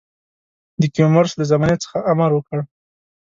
د کیومرث له زمانې څخه امر وکړ.